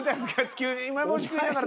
急に梅干し食いながら。